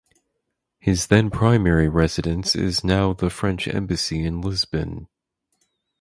His then primary residence is now the French Embassy in Lisbon.